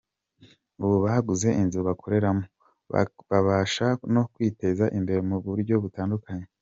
Ubu baguze inzu bakoreramo, babasha no kwiteza imbere mu buryo butandukanye.